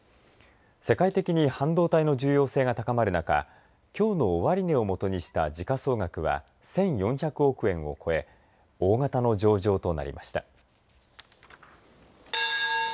世界的に半導体の重要性が高まる中きょうの終値を基にした時価総額は１４００憶円を超え大型の上場となりました。